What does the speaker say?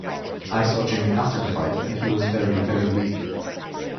I saw Jimmy after the fight and he was very very weak.